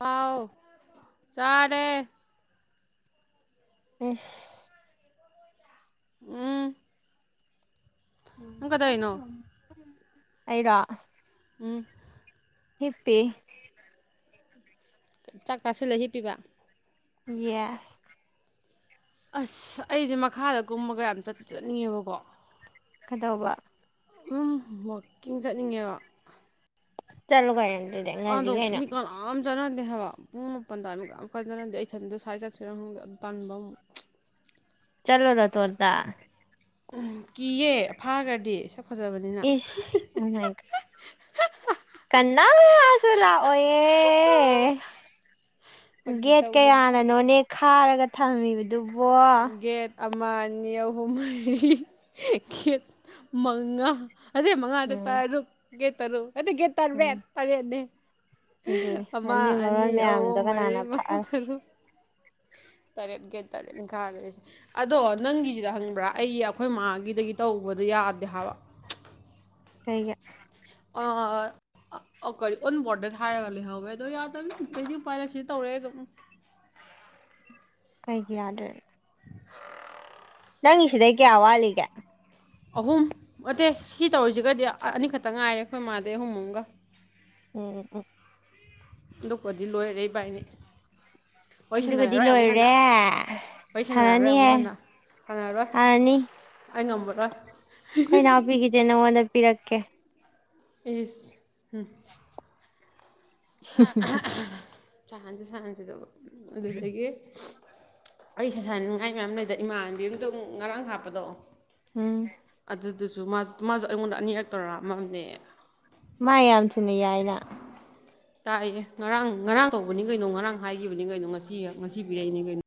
ꯍꯥꯎ ꯆꯔꯦ ꯢꯁ ꯎꯝ ꯅꯪ ꯀꯗꯧꯔꯤꯅꯣ [unintelligible] ꯑꯩꯔꯣ꯫ ꯎꯝ꯫ ꯍꯤꯞꯄꯤ꯫ ꯆꯥꯛ ꯆꯥꯁꯤꯂ ꯍꯤꯞꯄꯤꯕ ꯌꯦꯁ꯫ ꯑꯁ ꯑꯩꯁꯦ ꯃꯈꯥꯗ ꯀꯨꯝꯕꯒ ꯌꯥꯝ ꯆꯠꯇꯤ ꯆꯠꯅꯤꯡꯉꯦꯕꯀꯣ꯫ ꯀꯩꯗꯧꯕ꯫ ꯎꯝ ꯋꯥꯛꯀꯤꯡ ꯆꯠꯅꯤꯡꯉꯦꯕ꯫ ꯆꯂꯣ ꯀꯩꯅꯣ꯫ ꯑꯗꯨꯗꯤ ꯉꯜꯂꯤ ꯑꯗꯣ ꯀꯩꯅꯣ ꯃꯤ ꯀꯅꯥꯝ꯫ ꯆꯠꯅꯗꯦ ꯍꯥꯏꯕ ꯄꯨꯡ ꯃꯥꯄꯟꯗꯃꯨꯛ ꯀꯅꯥꯝ ꯆꯠꯅꯗꯦ ꯑꯩ ꯏꯊꯟꯗ ꯁ꯭ꯋꯥꯏ ꯆꯠꯁꯤꯔ ꯈꯪꯗꯦ ꯑꯗꯨ ꯇꯟꯕ ꯑꯃꯨꯛ꯫ ꯆꯠꯂꯨ ꯅꯇꯣꯟꯇ꯫ ꯎꯝ ꯀꯤꯌꯦ ꯐꯥꯈ꯭ꯔꯗꯤ꯫ ꯐꯖꯕꯅꯤꯅ ꯏꯁ ꯎꯃꯥꯏꯒ ꯀꯟ ꯑꯁ ꯑꯗꯨ ꯂꯥꯛꯑꯣꯌꯦ ꯐꯥꯒꯤ ꯒꯦꯠ ꯇꯧꯅꯤꯗ ꯀꯌꯥꯅꯅꯣꯅꯦ ꯈꯥꯔꯒ꯫ ꯊꯥꯡ [unintelligible] ꯑꯗꯨꯕꯣ꯫ ꯒꯦꯠ ꯑꯃ ꯅꯤ ꯑꯅꯤ ꯑꯍꯨꯝ ꯃꯔꯤ ꯈꯤꯠ ꯃꯉꯥ ꯑꯗꯨꯏ ꯃꯉꯥꯗ ꯎꯝ ꯇꯥꯔꯨꯛ ꯒꯤ ꯇꯔꯨꯛ꯫ ꯑꯗꯨ ꯒꯦ ꯎꯝ ꯇꯔꯦꯠ ꯇꯔꯦꯠꯅꯦ꯫ ꯑꯗꯨꯅꯤ ꯑꯗꯨ ꯑꯃ ꯃꯔꯣꯟ ꯑꯅꯤ ꯃꯌꯥꯝꯗꯣ ꯀꯅꯥꯅ ꯊꯛꯑ꯫ ꯇꯔꯦꯠꯒ ꯒꯇꯔꯦ ꯑꯔꯤꯁꯦ [unintelligible] ꯑꯗꯣ ꯅꯪꯒꯤꯁꯤꯗ ꯍꯪꯕ꯭ꯔꯥ ꯑꯩ ꯑꯩꯈꯣꯏ ꯃꯥꯒꯤꯗꯒꯤ ꯇꯧꯕꯗ ꯌꯥꯗꯦ ꯍꯥꯏꯕ ꯀꯩꯒꯤ ꯑꯥ ꯑꯣ ꯀꯔꯤ ꯑꯣꯟ ꯕꯣꯔꯗꯟ ꯍꯥꯏꯔꯒ ꯂꯩꯍꯧꯋꯦ ꯑꯗꯣ ꯌꯥꯗꯝꯅ ꯀꯩꯁꯗꯤ ꯎꯄꯥꯏ ꯂꯩ ꯁꯤꯇꯧꯔꯛꯑꯦ ꯑꯗꯨꯝ꯫ ꯀꯩꯒꯤ ꯌꯥꯗ꯭ꯔꯦ꯫ [inaudible] ꯅꯪꯒꯤ ꯁꯤꯗꯩ ꯀꯌꯥ ꯋꯥꯠꯂꯤꯒꯦ꯫ ꯑꯍꯨꯝ ꯑꯠꯇꯦ ꯁꯤ ꯇꯧꯔꯤꯁꯤꯒꯗꯤ ꯑꯅꯤꯈꯛꯇ ꯉꯥꯏꯔꯦ ꯑꯩꯈꯣꯏ ꯃꯥꯗꯩ ꯑꯍꯨꯝ ꯑꯃꯒ ꯎꯝꯎꯎꯝ꯫ ꯑꯗꯨꯀꯣꯗꯤ ꯂꯣꯏꯔꯦ ꯏꯕꯥꯏꯅꯤ꯫ ꯋꯥꯔꯤ ꯑꯗꯨꯒꯗꯤ ꯁꯥꯟꯅꯔꯔꯣꯏ ꯑꯃꯨꯛ ꯍꯟꯅ ꯂꯣꯏꯔꯦ ꯋꯥꯔꯤ ꯁꯥꯟꯅꯔꯔꯣꯏ ꯑꯃꯨꯛ ꯁꯥꯟꯅꯅꯤꯍꯦ ꯍꯟꯅ ꯁꯥꯟꯅꯔꯔꯣꯏ ꯁꯥꯟꯅꯅꯤ꯫ ꯑꯩ ꯉꯝꯃꯔꯣꯏ꯫ ꯑꯩꯈꯣꯏ ꯏꯅꯥꯎꯄꯤꯒꯤꯁꯦ ꯅꯉꯣꯟꯗ ꯄꯤꯔꯛꯀꯦ꯫ ꯏꯁ꯫ ꯍꯨꯝ ꯍꯨꯝ ꯍꯨ ꯅꯍꯥꯟꯁꯨ ꯁꯥꯟꯅꯁꯦ ꯑꯗꯨꯕꯨ ꯑꯗꯨꯗꯒꯤ ꯑꯩ ꯁꯦ ꯁꯥꯅꯅꯤꯡꯉꯥꯏ ꯃꯌꯥꯝ ꯂꯩꯗ ꯏꯃꯥꯟꯅꯕꯤ ꯑꯃꯗꯨ ꯉꯔꯥꯡ ꯍꯥꯞꯄꯗꯣ ꯎꯝ ꯑꯗꯨꯁꯨ ꯃꯥꯁꯨ ꯃꯥꯁꯨ ꯑꯩꯉꯣꯟꯗ ꯑꯅꯤꯔꯛ ꯇꯧꯔꯛ ꯑꯝꯃꯝꯅꯦ ꯃ ꯌꯥꯝꯊꯨꯅ ꯌꯥꯏꯅ ꯇꯥꯛꯌꯦ ꯉꯔꯥꯡ ꯉꯔꯥꯡ ꯇꯧꯕꯅꯤ ꯀꯩꯅꯣ ꯉꯔꯥꯡ ꯍꯥꯏꯈꯤꯕꯅꯤ ꯀꯩꯅꯣ ꯉꯁꯤ ꯉꯁꯤ ꯄꯤꯔꯛꯏꯅꯤ ꯀꯩꯅꯣ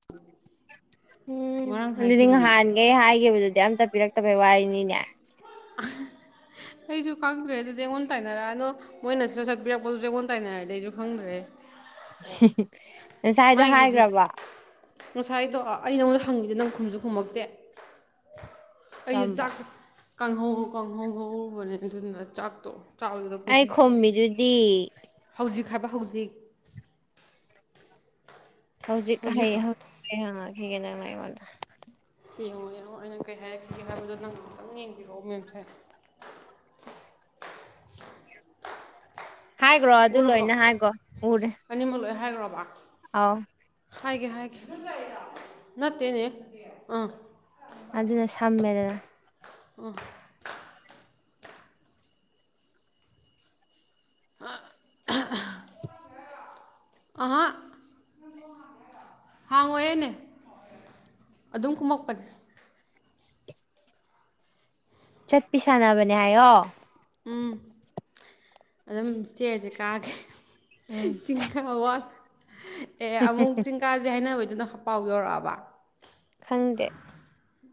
ꯎꯝ ꯉꯔꯥꯡ ꯑꯗꯨꯗꯤ ꯍꯥꯏꯈꯤꯕꯅꯤ ꯉꯍꯥꯟꯈꯩ ꯍꯥꯏꯈꯤꯕꯗꯨꯗꯤ ꯑꯝꯇ ꯄꯤꯔꯛꯇꯕꯩ ꯋꯥꯔꯤꯅꯤ ꯑꯅ [unintelligible] ꯑꯩꯁꯨ ꯈꯪꯗ꯭ꯔꯦ ꯑꯗꯨꯗꯤ ꯑꯩꯡꯉꯣꯟꯗ ꯇꯥꯏꯅꯔꯛꯑꯅꯣ ꯃꯣꯏꯅꯁꯨ ꯁꯠ ꯁꯠ ꯄꯤꯔꯛꯄꯗꯨꯁꯨ ꯑꯩꯉꯣꯟꯗ ꯇꯥꯏꯅꯔꯛꯑꯗꯤ ꯑꯩꯁꯨ ꯈꯪꯗ꯭ꯔꯦ [unintelligible] ꯉꯁꯥꯏꯗꯣ ꯃꯥꯒꯤꯗꯤ ꯍꯥꯏꯈ꯭ꯔꯕꯣ ꯉꯁꯥꯏꯗꯣ ꯑꯩ ꯅꯉꯣꯟꯗ ꯍꯪꯉꯤꯗꯣ ꯅꯪ ꯈꯨꯝꯁꯨ ꯈꯨꯝꯃꯛꯇꯦ ꯑꯩꯗꯨ ꯀꯝꯕ ꯆꯥꯛ ꯀꯥꯡꯍꯧ ꯀꯥꯡꯍꯧ ꯉꯧꯔꯨꯕꯅꯤ ꯑꯗꯨꯅ ꯆꯥꯛꯇꯣ ꯆꯥꯕꯗꯨꯗ ꯑꯩ ꯈꯨꯃꯤꯗꯨꯗꯤ ꯈꯕ ꯍꯧꯖꯤꯛ ꯍꯧꯖꯤꯛ ꯍꯌꯦ ꯑꯩ ꯍꯥꯪꯉꯥꯛ ꯑꯒꯦ ꯅꯦ ꯅꯪꯅ ꯑꯩꯉꯣꯟꯗ ꯌꯦꯡꯉꯣ ꯌꯦꯡꯉꯣ ꯑꯩꯅ ꯀꯩ ꯍꯥꯏꯔꯛꯈꯤꯒꯦ ꯍꯥꯏꯕꯗꯣ ꯅꯪꯅ ꯑꯃꯨꯛꯇꯪ ꯌꯦꯡꯕꯤꯔꯛꯑꯣ ꯃꯦꯝꯁꯥꯍꯦꯞ ꯍꯥꯏꯒ꯭ꯔꯣ ꯑꯗꯨ ꯎꯔꯕꯣ ꯂꯣꯏꯅ ꯍꯥꯏꯒ꯭ꯔꯣ ꯎꯔꯦ ꯋꯥ ꯑꯥꯎ ꯍꯥꯏꯒꯦ ꯍꯥꯏꯒꯦ ꯅꯠꯇꯦ ꯅꯦ ꯑꯥ ꯑꯗꯨꯅ ꯁꯝꯃꯦꯗꯅ ꯑꯣ ꯑꯥ ꯑꯍꯥ ꯑꯍꯥ [inaudible] ꯑꯍ ꯍꯥꯡꯉꯣꯏꯌꯦ ꯅꯦ ꯑꯗꯨꯝ ꯀꯨꯝꯃꯛꯄꯅꯦ ꯆꯠꯄꯤ ꯁꯥꯟꯅꯕꯅꯦ ꯍꯥꯏꯌꯣ ꯎꯝ ꯑꯗꯨꯝ ꯏꯁꯇꯤꯌꯔꯁꯦ ꯀꯥꯒꯦ ꯎꯝ ꯆꯤꯡꯀꯥꯕ ꯋꯥ ꯑꯦ ꯑꯃꯨꯛ ꯆꯤꯡꯀꯥꯁꯦ ꯍꯥꯏꯅꯕ ꯑꯗꯨꯅ ꯄꯥꯎ ꯌꯧꯔꯛꯑꯕ ꯈꯪꯗꯦ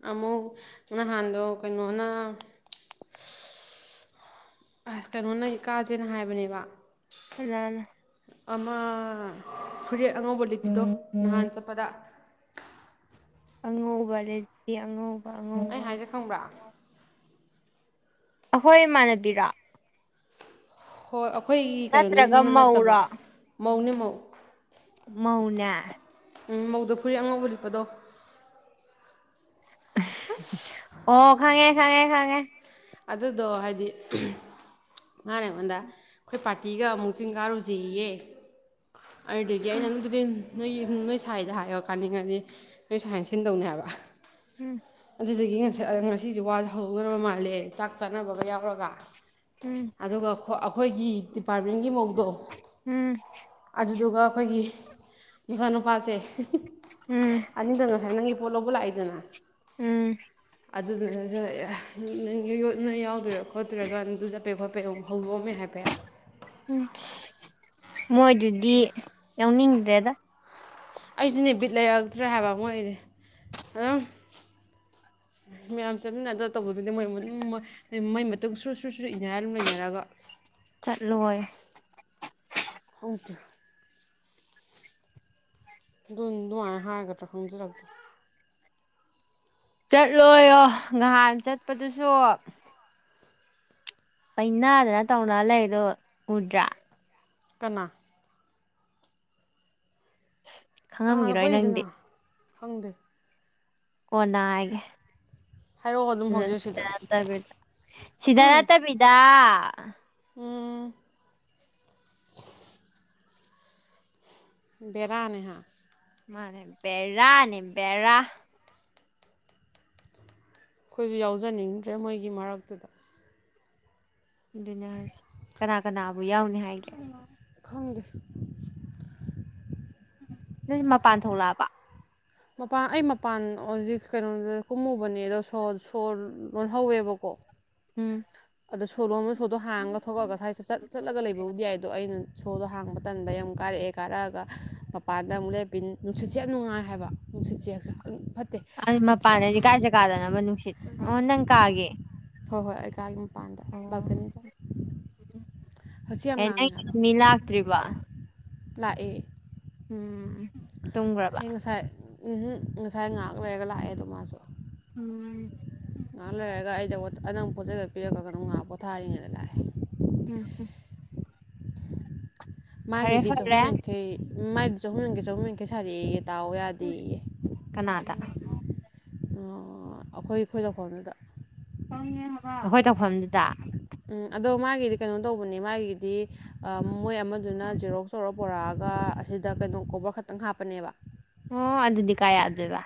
ꯑꯃꯨꯛ ꯅꯍꯥꯟꯗꯣ ꯀꯩꯅꯣꯅ ꯑꯁ ꯀꯩꯅꯣꯅ ꯀꯥꯁꯦꯅ ꯍꯥꯏꯕꯅꯦꯕ ꯀꯅꯥꯅ ꯑꯃꯥ ꯐꯨꯔꯤꯠ ꯑꯉꯧꯕ ꯂꯤꯠꯄꯗꯣ ꯅꯍꯥꯟ ꯆꯠꯄꯗ ꯑꯉꯧꯕ ꯂꯤꯠꯄꯤ ꯑꯉꯧ ꯑꯩ ꯍꯥꯏꯖꯦ ꯈꯪꯕ꯭ꯔꯥ ꯑꯍꯣꯏ ꯏꯃꯥꯟꯅꯕꯤꯔꯣ ꯍꯣꯏ ꯑꯧ ꯑꯩꯈꯣꯏꯒꯤ ꯀꯩꯅꯣꯗꯒꯤ ꯅꯠꯇ꯭ꯔꯒ ꯅꯠꯅꯠꯇꯕ ꯃꯧꯔꯣ ꯃꯧꯅꯦ ꯃꯧ ꯃꯧꯅꯦ ꯎꯝ ꯃꯧꯗ ꯐꯨꯔꯤꯠ ꯑꯉꯧꯕ ꯂꯤꯠꯄꯗꯣ ꯑꯁ ꯑꯣ ꯈꯪꯉꯦ ꯈꯪꯉꯦ ꯈꯪꯉꯦ [inaudible] ꯑꯗꯨꯗꯣ ꯍꯥꯏꯗꯤ ꯃꯥꯅ ꯑꯩꯉꯣꯟꯗ ꯑꯩꯈꯣꯏ ꯄꯥꯔꯇꯤꯒ ꯑꯃꯨꯛ ꯆꯤꯡ ꯀꯥꯔꯨꯖꯦꯌꯦ ꯑꯔꯗꯤꯒꯤ ꯎꯝ ꯅꯪꯗꯨꯕꯤꯤꯟ [unintelligible] ꯅꯣꯏꯒꯤ ꯅꯣꯏ ꯁꯥꯏꯗ ꯍꯥꯏꯌꯣ ꯀꯥꯅꯤꯡꯉꯗꯤ ꯅꯣꯏ ꯁꯥꯏꯅ ꯁꯤꯟꯗꯧꯅꯦ ꯍꯥꯏꯕ ꯎꯝ ꯑꯗꯨꯗꯨꯒꯤ ꯉꯁ ꯉꯁꯤꯁꯦ ꯋꯥꯖꯦ ꯍꯧꯒꯗꯧꯕ ꯃꯥꯜꯂꯦ ꯆꯥꯛ ꯆꯥꯅꯕꯒ ꯌꯥꯎꯔꯒ ꯎꯝ ꯑꯗꯨꯒ ꯈꯣ ꯑꯈꯣ ꯑꯩꯈꯣꯏꯒꯤ ꯇꯤꯞ ꯄꯥ꯭ꯔꯕꯤꯟꯒꯤ ꯃꯧꯗꯣ ꯎꯝ ꯑꯗꯨꯗꯨꯒ ꯑꯩꯈꯣꯏꯒꯤ ꯃꯖꯥ ꯅꯨꯄꯥꯁꯦ ꯎꯝ ꯑꯅꯤꯗꯣ ꯉꯁꯥꯏ ꯅꯪꯒꯤ ꯄꯣꯠ ꯂꯧꯕ ꯂꯥꯛꯏꯗꯅ ꯎꯝ ꯑꯗꯨꯗꯨꯅꯖꯨ ꯑꯦ ꯅꯪ ꯌꯣꯠ ꯌꯦꯠ ꯅꯣꯏꯌꯥꯎꯗꯣꯏꯔꯣ ꯈꯣꯠꯇꯣꯏꯔꯣ ꯑꯗꯨꯅ ꯑꯗꯨ ꯆꯠꯄꯩ ꯈꯣꯠꯄꯩ ꯑꯃꯨꯛ ꯍꯧꯗꯣꯛꯑꯃꯦ ꯍꯥꯏꯐꯦꯠ ꯎꯝ ꯃꯣꯏꯗꯨꯗꯤ ꯌꯥꯎꯅꯤꯡꯗ꯭ꯔꯦꯗ ꯑꯩꯖꯨꯅꯦ ꯕꯤꯠ ꯂꯩꯔꯛꯇ꯭ꯔꯦ ꯍꯥꯏꯕ ꯃꯣꯏꯗꯤ ꯑꯗꯨꯝ ꯃꯌꯥꯝ ꯆꯠꯃꯤꯟꯅꯗ ꯇꯧꯕꯗꯨꯗꯤ ꯃꯣꯏ ꯃꯩ ꯃꯇꯨꯡ ꯁꯨꯔ ꯁꯨꯔ ꯁꯨꯔ ꯏꯟꯅꯔ ꯑꯗꯨꯝ ꯂꯩꯅꯔꯒ ꯆꯠꯂꯨꯣꯏ ꯈꯪꯗꯦ ꯑꯗꯨꯅꯦ ꯑꯗꯨꯃꯥꯏꯅ ꯍꯥꯏꯔꯒ [unintelligible] ꯆꯠꯂꯣꯌꯣ ꯉꯍꯥꯟ ꯆꯠꯄꯗꯨꯁꯨ ꯄꯩꯅꯗꯅ ꯇꯧꯅ ꯂꯩꯔꯤꯗꯣ ꯎꯗ꯭ꯔꯥ ꯀꯅꯥ ꯀꯅꯥꯅꯣ ꯈꯪꯉꯝꯒꯤꯔꯣꯏ ꯅꯪꯗꯤ ꯄꯛꯏꯗꯨꯅ ꯈꯪꯗꯦ ꯀꯣꯟꯅ ꯍꯥꯏꯒꯦ ꯍꯥꯏꯔꯛꯑꯣ ꯑꯗꯨꯝ ꯁꯤꯗ ꯍꯧꯖꯤꯛ ꯁꯤꯗ ꯅꯠꯇꯕꯤꯗ ꯁꯤꯗ ꯍꯨꯝ ꯅꯠꯇꯕꯤꯗ ꯎꯝ ꯕꯦꯔꯥ ꯅꯦꯍꯥ ꯃꯥꯅꯦ ꯕꯦꯔꯥꯅꯦ ꯕꯦꯔꯥ ꯑꯩꯈꯣꯏꯁꯨ ꯌꯥꯎꯖꯅꯤꯡꯗ꯭ꯔꯦ ꯃꯣꯏꯒꯤ ꯃꯔꯛꯇꯨꯗ ꯑꯗꯨꯅꯦ ꯍꯥꯢꯁꯦ- ꯀꯅꯥ ꯀꯅꯥꯕꯨ ꯌꯥꯎꯅꯤ ꯍꯥꯏꯒꯦ ꯈꯪꯗꯦ ꯅꯣꯏ ꯃꯄꯥꯟ ꯊꯣꯛꯂꯛꯑꯕ ꯃꯄꯥꯟ ꯑꯩ ꯃꯄꯥꯟ ꯍꯧꯖꯤꯛ ꯀꯩꯅꯣꯗ ꯀꯨꯝꯃꯨꯕꯅꯦ ꯑꯗꯣ ꯁꯣ ꯁꯣ ꯂꯣꯟꯍꯧꯋꯦꯕꯀꯣ ꯎꯝ ꯑꯗꯣ ꯁꯣ ꯂꯣꯟꯕꯗꯣ ꯁꯣꯗꯣ ꯍꯥꯡꯉꯒ ꯊꯣꯛꯂꯛꯑꯒ ꯁ꯭ꯋꯥꯏꯗ ꯆꯠ ꯆꯠꯂꯒ ꯂꯩꯕꯕꯨꯗꯤ ꯌꯥꯏꯗꯣ ꯑꯩꯅ ꯁꯣꯗꯣ ꯍꯥꯡꯕ ꯇꯟꯕꯩ ꯑꯃꯨꯛ ꯀꯥꯔꯛꯑꯦ ꯀꯥꯔꯛꯑꯒ ꯃꯄꯥꯟꯗ ꯑꯃꯨꯛꯂꯦꯞꯄꯤ ꯅꯨꯡꯁꯤꯠꯁꯦ ꯌꯥꯝ ꯅꯨꯡꯉꯥꯏ ꯍꯥꯏꯕ ꯅꯨꯡꯁꯤꯠꯁꯦ ꯍꯛꯆꯥꯡ ꯐꯠꯇꯦ ꯑꯗꯨ ꯍꯛꯆꯥ ꯃꯄꯥꯟꯗꯗꯤ ꯀꯥꯏ ꯖꯒꯗꯅꯣꯕ ꯅꯨꯡꯁꯤꯠ ꯑꯣ ꯅꯪ ꯀꯥꯒꯤ ꯍꯣꯏ ꯍꯣꯏ ꯑꯩ ꯀꯥꯒꯤ ꯃꯄꯥꯟꯗ ꯂꯛꯀꯅꯤꯗ ꯑꯦ ꯅꯪ ꯃꯤ ꯂꯥꯛꯇ꯭ꯔꯤꯕꯥ ꯂꯥꯛꯑꯦ ꯎꯝ ꯇꯨꯝꯒ꯭ꯔꯕ ꯑꯩ ꯉꯁꯥꯏ ꯎꯝꯍꯨꯝ ꯉꯁꯥꯏ ꯉꯥꯏꯍꯥꯛ ꯂꯩꯔꯒ ꯂꯥꯛꯑꯦ ꯑꯗꯨꯝ ꯃꯥꯁꯨ ꯎꯝ ꯉꯥꯏꯍꯥꯛ ꯂꯩꯔꯒ ꯑꯩ ꯅꯉꯣꯟꯗ ꯄꯣꯠꯖꯒꯠ ꯂꯣꯏ ꯄꯤꯔꯛꯑꯒ ꯀꯩꯅꯣ ꯉꯥꯏꯍꯥꯛ ꯄꯣꯊꯥꯔꯤꯉꯩꯗ ꯂꯥꯛꯑꯦ ꯎꯝ ꯍꯝ ꯃꯥꯒꯤꯗꯤ ꯆꯍꯨꯝ ꯐꯔꯦ ꯌꯥꯡꯈꯩ ꯃꯥꯏꯗꯨ ꯆꯍꯨꯝ ꯌꯥꯡꯈꯩ ꯆꯍꯨꯝ ꯌꯥꯡꯈꯩ ꯁꯔꯛꯑꯦꯌꯦ ꯇꯥꯎ ꯌꯥꯗꯦꯌꯦ ꯀꯅꯥꯗ ꯑꯩꯈꯣꯏ ꯑꯩꯈꯣꯏ ꯐꯥꯎꯅꯗꯦ ꯑꯈꯣꯢ ꯇꯧꯐꯝ ꯎꯝ ꯑꯗꯨ ꯃꯥꯢ ꯑꯩꯗꯤ ꯀꯩꯅꯣ ꯇꯧꯕꯅꯦ ꯃꯥꯒꯤꯗꯤ ꯑꯝ- ꯃꯣꯏ ꯑꯃꯗꯨꯅ ꯖꯦꯔꯣꯛ꯭ꯁ ꯇꯧꯔ ꯄꯨꯔꯛꯑꯒ ꯑꯁꯤꯗ ꯀꯩꯅꯣ ꯀꯣꯕꯔ ꯈꯛꯇꯪ ꯍꯥꯞꯄꯅꯦꯕ ꯑꯣ ꯑꯗꯨꯗꯤ ꯀꯥꯢ ꯌꯥꯗꯣꯏꯕ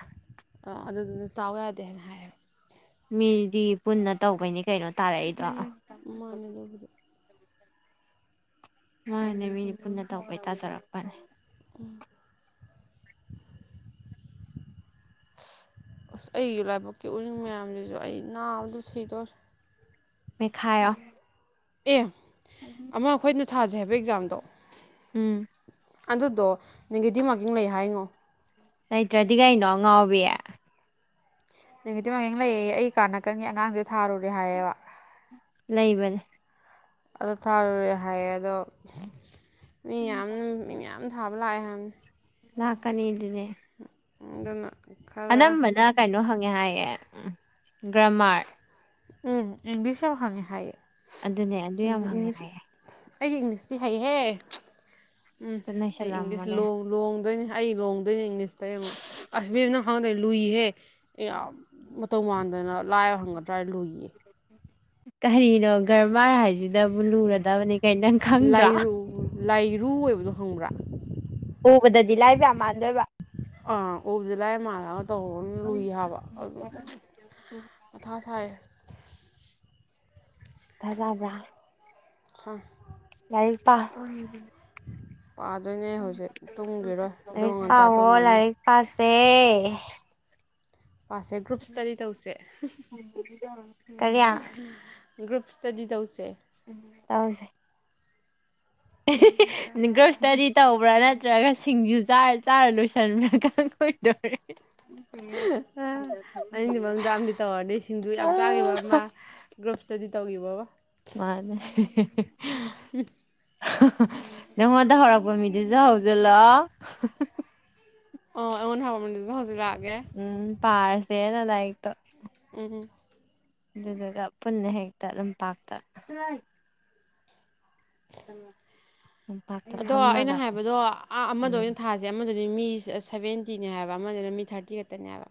ꯑ ꯑꯗꯨꯗꯨꯗꯤ ꯇꯥꯎ ꯌꯥꯗꯦ ꯍꯥꯏꯅ ꯍꯥꯏ ꯃꯤꯗꯤ ꯄꯨꯟꯅ ꯇꯧꯕꯩꯅꯤ ꯀꯩꯅꯣ ꯇꯥꯔꯛꯏ ꯃꯥꯅꯦꯗꯨꯕꯨꯗꯤ ꯃꯥꯅꯦ ꯃꯤꯅꯤ ꯄꯨꯟꯅ ꯇꯧꯕꯩ ꯇꯥꯖꯔꯛꯄꯅꯦ ꯎꯝ ꯑꯁ ꯑꯩꯒꯤ ꯂꯥꯏꯕꯛꯀꯤ ꯎꯔꯤꯅꯤꯡ ꯃꯌꯥꯝꯁꯤꯁꯨ ꯑꯩ ꯅꯥꯕꯗ ꯁꯤꯗꯣꯔꯦ ꯃꯦꯈꯥꯢꯌꯣ ꯑꯦ ꯑꯃ ꯑꯩꯈꯣꯏꯅ ꯊꯥꯖꯤ ꯍꯥꯏꯕ ꯑꯦꯛꯖꯥꯝꯗꯣ ꯎꯝ ꯑꯗꯨꯗꯣ ꯅꯦꯒꯦꯇꯤꯚ ꯃꯥꯔꯀꯤꯡ ꯂꯩ ꯍꯥꯏꯉꯣ ꯂꯩꯇ꯭ꯔꯗꯤ ꯀꯩꯅꯣ ꯉꯥꯎꯕꯤ ꯃꯦꯒꯦꯇꯤꯞ ꯃꯀꯤꯡ ꯂꯩꯌꯦꯌꯦ ꯑꯩ ꯀꯥꯅꯀꯟꯒꯦ ꯑꯉꯥꯡꯁꯦ ꯊꯥꯔꯨꯔꯦ ꯍꯥꯏꯌꯦꯕ ꯂꯩꯕꯅꯦ ꯑꯗꯨ ꯊꯥꯔꯨꯔꯦ ꯍꯥꯏꯑ ꯑꯗꯣ ꯃꯤ ꯌꯥꯝ ꯌꯥꯝ ꯑꯝ ꯊꯥꯕ ꯂꯥꯛꯑꯦ ꯍꯥꯏꯅꯤ ꯂꯛꯀꯅꯤ ꯏꯗꯨꯗꯤ [inaudible] ꯑꯗꯨꯅ ꯈꯔ ꯑꯅꯝꯕꯅ ꯀꯩꯅꯣ ꯍꯪꯉꯦ ꯍꯥꯏꯌꯦ ꯎꯝ ꯒ꯭ꯔꯥꯃꯔ ꯎꯝ ꯏꯡꯂꯤꯁ ꯌꯥꯝ ꯍꯪꯉꯦ ꯍꯥꯏꯌꯦ ꯑꯗꯨꯅꯦ ꯑꯗꯨ ꯎꯝ ꯌꯥꯝ ꯍꯪꯉꯦ ꯏꯪꯂꯤꯁ ꯍꯥꯏꯌꯦ ꯑꯩꯗꯤ ꯏꯪꯂꯤꯁꯇꯤ ꯍꯩꯍꯦ ꯎꯝ ꯇ ꯑꯩ ꯏꯪꯂꯤꯁ ꯅꯩꯁꯜꯂꯝꯃꯣꯅꯦ ꯂꯣꯡ ꯂꯣꯡꯗꯣꯏꯅꯤ ꯑꯩ ꯂꯣꯡ ꯑꯗꯨ ꯏꯪꯂꯤꯁꯇꯥꯌꯦꯡꯉꯣ ꯑꯁ ꯏꯕꯦꯝ ꯅꯪ ꯈꯥꯡꯗ ꯈꯪꯗ ꯂꯨꯏꯍꯦ ꯇꯧꯃꯥꯗꯅ ꯂ ꯈꯔꯥ ꯂꯨꯏꯌꯦ ꯀꯔꯤꯅꯣ ꯒꯔꯃꯥꯔ ꯍꯥꯏꯁꯤ ꯗꯕꯨ ꯂꯨꯔꯗꯕꯅꯤ ꯀꯩꯅꯣ ꯅꯪ ꯈꯪꯗ꯭ꯔꯣ ꯂꯨ ꯑꯣꯏꯕꯗꯣ ꯍꯪꯕ꯭ꯔꯥ ꯎꯕꯗꯗꯤ ꯂꯥꯏꯕ ꯌꯥꯝ ꯃꯥꯟꯗꯣꯏꯕ ꯑꯥ ꯎꯕꯗꯤ ꯂꯥꯏꯑ ꯃꯥꯜꯂꯒ ꯇꯧꯔꯅ ꯂꯨꯏ ꯍꯥꯏꯕ ꯑꯗꯨꯝ ꯃꯊꯥ ꯁꯥꯏꯌꯦ ꯊꯥꯖꯥꯕ꯭ꯔ ꯍ ꯂꯩ ꯄꯥ ꯄꯥꯗꯣꯏꯅꯦ ꯍꯧꯖꯤꯛ ꯇꯨꯝꯈꯤꯔꯣꯏ ꯑꯣ ꯉꯟꯇꯥ ꯇꯨꯝꯃꯅꯤ ꯄꯦ ꯄꯥꯁꯦ ꯒ꯭ꯔꯨꯞ ꯏꯁꯇꯗꯤ ꯇꯧꯁꯦ ꯀꯔꯤꯌꯥ ꯒ꯭ꯔꯎꯞ ꯁ꯭ꯇꯗꯤ ꯇꯧꯁꯦ ꯇꯥꯔꯁꯦ [inaudible] ꯑꯦ ꯍꯦ ꯍꯦ [unintelligible] ꯏꯁꯇꯗꯤ ꯇꯧꯕ꯭ꯔ ꯅ ꯅꯠꯇ꯭ꯔꯒ ꯁꯤꯡꯖꯨ ꯆꯥꯔ ꯆꯥꯔ ꯂꯣꯏꯁꯟꯕ꯭ꯔꯒ ꯀꯣꯏꯗꯔꯦ ꯍꯤ ꯑ ꯑꯅꯤꯗꯨꯏ ꯃꯅꯨꯡꯗ ꯑꯃꯗꯤ ꯇꯧꯔꯅꯤ ꯁꯤꯡꯖꯨ ꯌꯥꯝ ꯆꯥꯈꯤꯕ ꯑꯃ ꯒ꯭ꯨꯔꯞ ꯏꯁꯇꯗꯤ ꯇꯧꯈꯤꯕ ꯑꯃ ꯃꯥꯅꯦ ꯍꯥ ꯍꯥ ꯍꯥ ꯅꯪꯉꯣꯟꯗ ꯍꯧꯔꯛꯄ ꯃꯤ ꯗꯤꯖꯥ ꯍꯧꯖꯤꯜꯂꯣ ꯍꯥ ꯍꯥ ꯑꯣ ꯑꯩꯉꯣꯟꯗ ꯍꯧꯔꯝꯕ ꯗꯨꯁꯨ ꯍꯧꯖꯂꯛ ꯎꯝ ꯄꯥꯔꯁꯦꯅ ꯂꯥꯏꯔꯤꯛꯇꯣ ꯎꯝ ꯑꯗꯨꯗꯨꯒ ꯄꯨꯟꯅ ꯍꯦꯛꯇ ꯂꯝꯄꯥꯛꯇ ꯎꯝ ꯑꯗꯣ ꯑꯩꯅ ꯍꯥꯏꯕꯗꯣ ꯑ ꯑꯃꯗ ꯎꯝ ꯑꯣꯏꯅ ꯊꯥꯁꯦ ꯑꯃꯗꯨ ꯗꯤ ꯃꯤ ꯁ ꯁꯚꯦꯟꯇꯤꯅꯦ ꯍꯥꯏꯕ ꯑꯃꯗꯨꯅ ꯃꯤ ꯊꯥꯔꯇꯤꯈꯛꯇꯅꯦ ꯍꯥꯏꯕ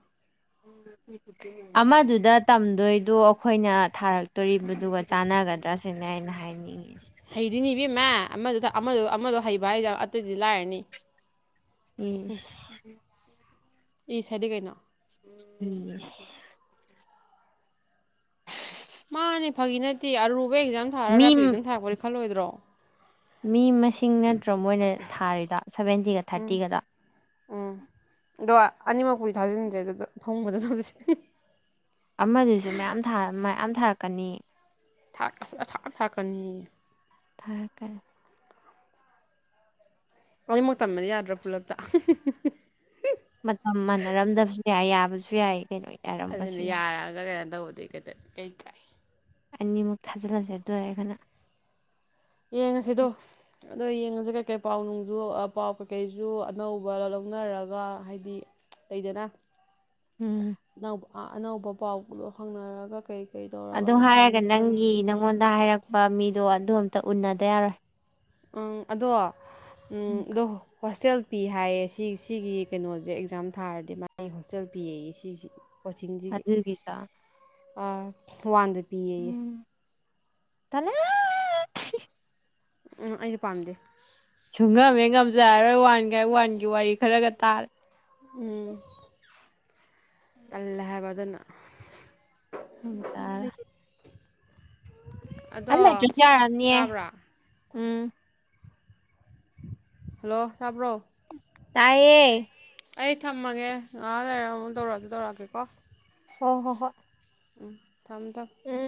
ꯑꯃꯗꯨꯗ ꯇꯝꯗꯣꯏꯗꯣ ꯑꯩꯈꯣꯏꯅ ꯊꯥꯔꯛꯇꯣꯔꯤꯕꯗꯨꯒ ꯆꯥꯟꯅꯒꯗ꯭ꯔꯥꯁꯤꯅꯦ ꯑꯩꯅ ꯍꯥꯏꯅꯤꯡꯉꯤ ꯍꯩꯗꯤ ꯍꯩ ꯏꯕꯦꯝꯃꯥ ꯑꯃꯗꯨꯗ ꯑꯃꯗꯣ ꯑꯃꯗꯣ ꯍꯩꯕ ꯍꯥꯏꯁꯦ ꯑꯇꯩꯗꯤ ꯂꯥꯏꯔꯅꯤ ꯎꯝ ꯏꯁ ꯍꯥꯏꯗꯤ ꯀꯩꯅꯣ [unintelligible] ꯃꯥꯅꯦ ꯐꯥꯒꯤ ꯅꯠꯇꯦ ꯑꯔꯨ ꯃꯣꯏ ꯑꯦꯀꯖꯝ ꯊꯥꯔꯒꯥ ꯃꯤ ꯔꯕꯤ ꯑꯦꯀꯖꯝ ꯊꯕꯥꯗꯤ ꯈꯜꯂꯣꯏꯗ꯭ꯔꯣ ꯔꯣ ꯃꯤ ꯃꯁꯤꯡ ꯅꯠꯇ꯭ꯔꯣ ꯃꯣꯏꯅ ꯊꯥꯔꯤꯗꯣ ꯁꯚꯦꯟꯇꯤꯒ ꯎꯝ ꯊꯥꯔꯇꯤꯒꯗꯣ ꯎꯝ ꯑꯗꯣ ꯑꯅꯤꯃꯛꯄꯨꯗꯤ ꯊꯥꯖꯤꯟꯁꯦ ꯑꯗꯨꯗ ꯐꯣꯡꯕꯗ ꯊꯧꯁꯤ ꯑꯃꯗꯨꯁꯨ ꯃꯌꯥꯝ ꯊꯥ ꯃꯌꯥꯝ ꯊꯥꯔꯛ ꯀꯅꯤ ꯊꯥ ꯑꯁ ꯊꯔꯛꯀꯅꯤꯌꯦ ꯊꯥꯔꯛꯀꯦ ꯑꯅꯤꯃꯛ ꯇꯝꯕꯗꯤ ꯌꯥꯗ꯭ꯔ ꯄꯨꯂꯞꯇ ꯍꯨꯝ ꯍꯨꯝ ꯍꯨꯝ ꯃꯇꯝ ꯃꯥꯟꯅꯔꯝꯗꯕꯁꯨ ꯌꯥꯏ ꯌꯥꯕ ꯕꯁꯨ ꯌꯥꯏ ꯀꯩꯅꯣ ꯌꯥꯔꯝꯕꯁꯨ ꯑꯗꯨꯅꯤ ꯌꯥꯏ ꯌꯥꯔꯛꯑꯒ ꯀꯩꯅꯣ ꯇꯧꯕꯗꯤ ꯀꯗ ꯀꯩ ꯀꯥꯏ ꯑꯅꯤꯃꯨꯛ ꯊꯥꯖꯤꯜꯂꯁꯦ ꯑꯗꯨ ꯑꯣꯏꯔꯒꯅ ꯌꯦꯡꯉꯁꯤꯗꯣ ꯑꯗꯣ ꯌꯦꯡꯉꯁꯦ ꯀꯩꯀꯩ ꯄꯥꯎ ꯅꯨꯡꯖꯨ ꯑ ꯄꯥꯎ ꯀꯩꯀꯩꯁꯨ ꯑꯅꯧꯕ ꯂꯧꯅꯔꯒ ꯍꯥꯏꯗꯤ ꯂꯩꯗꯅ ꯎꯝ ꯑꯅꯧꯕ ꯑꯅꯧꯕ ꯄꯥꯎꯄꯨꯂꯣ ꯍꯪꯅꯔꯒ ꯀꯩ ꯀꯩ ꯑꯗꯨ ꯇꯧꯔꯒꯅ ꯍꯥꯏꯔꯒ ꯐꯅꯤ ꯈꯣꯠꯅꯤ ꯅꯪꯒꯤ ꯅꯪꯉꯣꯟꯗ ꯍꯥꯏꯔꯛꯄ ꯃꯤꯗꯣ ꯑꯗꯨꯝ ꯇ ꯎꯟꯅꯗ ꯌꯥꯔꯣꯏ ꯎꯡ ꯑꯗꯣ ꯎꯝ ꯑꯗꯣ ꯍꯣꯁꯇꯦꯜ ꯄꯤ ꯍꯥꯏꯌꯦ ꯁꯤ ꯁꯤꯒꯤ ꯀꯩꯅꯣꯁꯦ ꯑꯦꯛꯖꯥꯝ ꯊꯥꯔꯗꯤ ꯃꯥꯒꯤ ꯍꯣꯁꯇꯦꯜ ꯄꯤꯌꯦꯌꯦ ꯁꯤꯁꯦ ꯑꯗꯨꯒꯤꯁ ꯑꯥ ꯋꯥꯟꯗ ꯄꯤꯌꯦꯌꯦ ꯎꯝ ꯇꯜꯂꯦꯍꯦ ꯎꯝ ꯑꯩꯅ ꯄꯥꯝꯗꯦ ꯁꯨꯡ ꯉꯝꯍꯦꯛ ꯉꯝꯖ ꯔꯔꯣꯏ ꯋꯥ ꯋꯥꯟꯒꯤ ꯋꯥꯔꯤ ꯈꯔꯒ ꯇꯥꯜ ꯎꯝ ꯇꯜꯂꯦ ꯍꯥꯏꯕ ꯑꯗꯨꯅ ꯎꯝ ꯇꯥꯔꯦ ꯑꯗꯣ ꯑꯗ ꯀ ꯌꯥꯅꯤꯦ ꯇꯥꯕ꯭ꯔꯥ [unintelligible] ꯎꯝ ꯍꯜꯂꯣ ꯇꯥꯕ꯭ꯔꯣ ꯇꯥꯏꯌꯦ ꯑꯩ ꯊꯝꯃꯒꯦ ꯉꯥꯏꯍꯥꯛ ꯂꯩꯔ ꯑꯃꯨ ꯇꯧꯔꯛ ꯑꯁꯨ ꯇꯧꯔꯛꯑꯒꯦꯀꯣ ꯍꯣ ꯍꯣ ꯍꯣꯏ ꯎꯝ ꯊꯝ ꯊꯝ ꯎꯝ